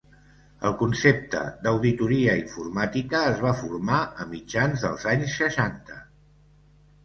El concepte d’auditoria informàtica es va formar a mitjans dels anys seixanta.